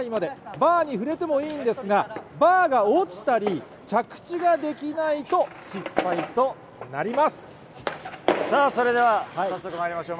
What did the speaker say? バーに触れてもいいんですが、バーが落ちたり、着地ができないさあ、それでは早速まいりましょう。